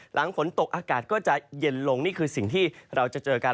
หลังฝนตกอากาศก็จะเย็นลงนี่คือสิ่งที่เราจะเจอกัน